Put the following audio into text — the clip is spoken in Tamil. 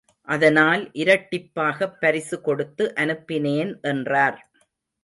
அதனால் இரட்டிப்பாகப் பரிசு கொடுத்து அனுப்பினேன் என்றார்.